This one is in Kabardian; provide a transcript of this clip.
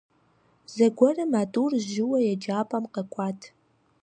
Зэгуэрым а тӏур жьыуэ еджапӏэм къэкӏуат.